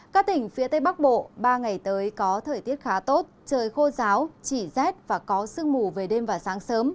các tỉnh phía tây bắc bộ ba ngày tới có thời tiết khá tốt trời khô giáo chỉ rét và có sương mù về đêm và sáng sớm